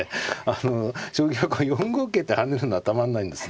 将棋はこう４五桂って跳ねるのはたまんないんです。